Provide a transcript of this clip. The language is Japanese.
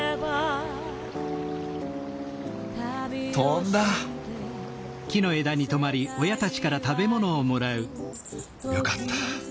飛んだ！よかった。